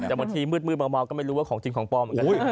แต่บางทีมืดเมาก็ไม่รู้ว่าของจริงของปลอมเหมือนกัน